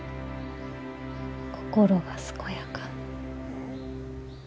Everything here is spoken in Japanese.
心が健やか健彦。